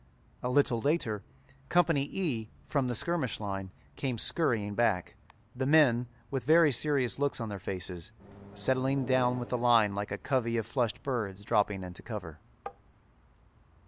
A little later Company E, from the skirmish line, came scurrying back, the men, with very serious looks on their faces, settling down with the line like a covey of flushed birds dropping into cover.